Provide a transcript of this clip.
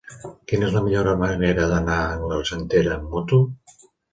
Quina és la millor manera d'anar a l'Argentera amb moto?